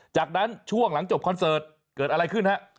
จากนั้นช่วงหลังจบคอนเสิร์ตเกิดอะไรขึ้นฮะ